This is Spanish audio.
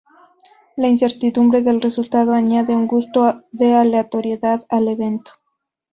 La incertidumbre del resultado añade un gusto de aleatoriedad al evento.